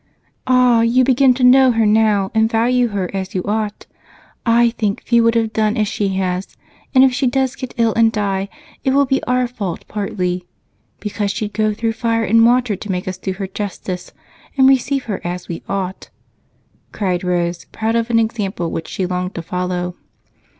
"Ah, you begin to know her now, and value her as you ought. I think few would have done as she has, and if she does get ill and die, it will be our fault partly, because she'd go through fire and water to make us do her justice and receive her as we ought," cried Rose, proud of an example which she longed to follow.